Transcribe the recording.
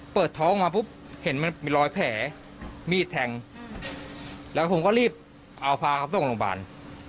เปิดท้องมาปุ๊บเห็นมันมีรอยแผลมีดแทงแล้วผมก็รีบเอาพาเขาส่งโรงพยาบาล